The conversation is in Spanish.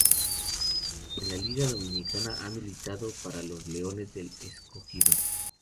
En la Liga Dominicana ha militado para los Leones del Escogido.